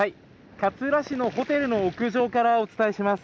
勝浦市のホテルの屋上からお伝えします。